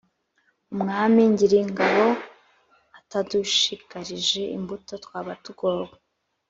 Umwami Nyiringabo atadushigarije imbuto twaba tugowe